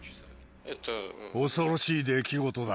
恐ろしい出来事だ。